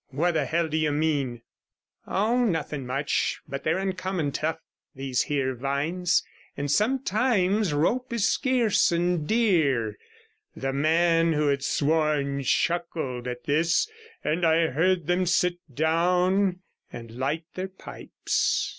'What the hell do you mean?' 27 'Oh, nothing much. But they're uncommon tough, these here vines, and sometimes rope is skerse and dear.' The man who had sworn chuckled at this, and I heard them sit down and light their pipes.